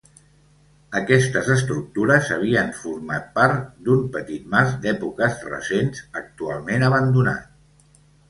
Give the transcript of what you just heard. Aquestes estructures havien format part d'un petit mas d'èpoques recents, actualment abandonat.